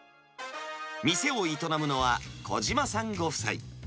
店を営むのは小島さんご夫妻。